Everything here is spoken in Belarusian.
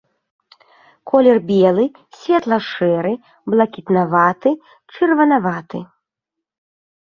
Колер белы, светла-шэры, блакітнаваты, чырванаваты.